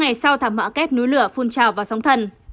năm ngày sau thảm mỏ kép núi lửa phun trào vào sóng thần